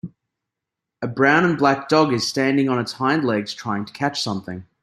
A brown and black dog is standing on its hind legs trying to catch something.